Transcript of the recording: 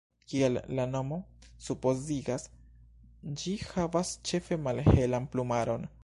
Kiel la nomo supozigas, ĝi havas ĉefe malhelan plumaron.